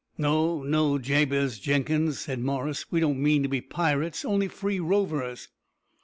"No, no, Jabez Jenkins," said Morris, "we don't mean to be pirates; only free rovers."